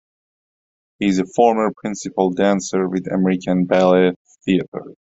He is a former principal dancer with American Ballet Theatre.